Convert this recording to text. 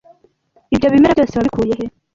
Ibyo bimera byose wabikuye he?